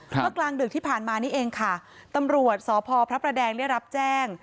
กลางดึกที่ผ่านมานี่เองค่ะตำรวจสพพระประแดงได้รับแจ้ง